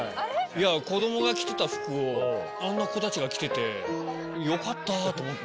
子供が着てた服をあんな子たちが着てて。と思って。